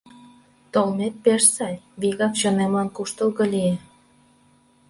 Толмет пеш сай, вигак чонемлан куштылго лие.